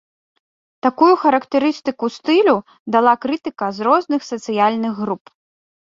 Такую характарыстыку стылю дала крытыка з розных сацыяльных груп.